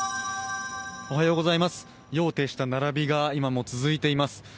夜を徹した並びが今も続いています。